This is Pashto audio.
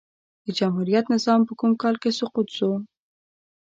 د جمهوريت نظام په کوم کال کی سقوط سو؟